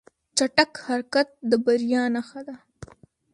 چټک حرکت د بریا نښه ده.